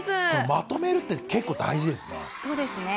まとめるって結構大事ですね。